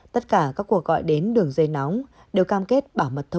tất cả các cuộc gọi đến đường dây nóng đều cam kết bảo mật thông